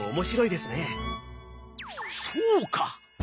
そうか！